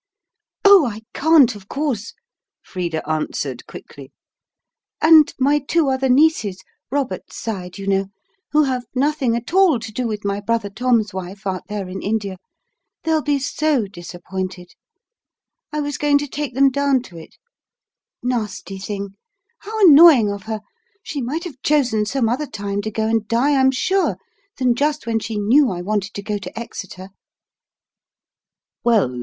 "Oh, I CAN'T, of course," Frida answered quickly. "And my two other nieces Robert's side, you know who have nothing at all to do with my brother Tom's wife, out there in India they'll be SO disappointed. I was going to take them down to it. Nasty thing! How annoying of her! She might have chosen some other time to go and die, I'm sure, than just when she knew I wanted to go to Exeter!"